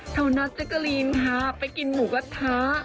เธอนัทเจ๊กลิ้นพาไปกินหมูกะท้า